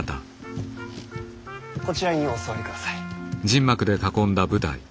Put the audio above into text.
こちらにお座りください。